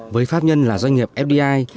với pháp nhân là doanh nghiệp fdi